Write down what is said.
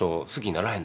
ならへん。